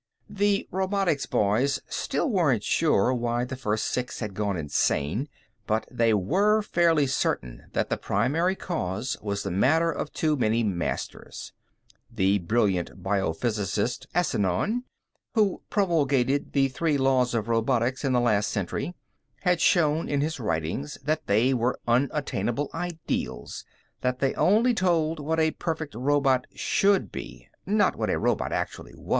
The robotics boys still weren't sure why the first six had gone insane, but they were fairly certain that the primary cause was the matter of too many masters. The brilliant biophysicist, Asenion, who promulgated the Three Laws of Robotics in the last century, had shown in his writings that they were unattainable ideals that they only told what a perfect robot should be, not what a robot actually was.